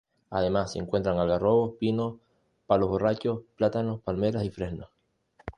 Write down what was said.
Además, se encuentran algarrobos, pinos, palos borrachos, plátanos, palmeras y fresnos.